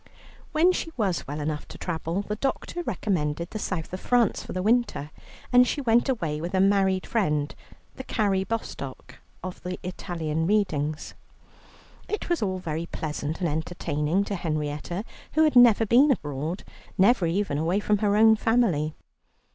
When she was well enough to travel, the doctor recommended the South of France for the winter, and she went away with a married friend, the Carrie Bostock of the Italian readings. It was all very pleasant and entertaining to Henrietta, who had never been abroad, never even away from her own family.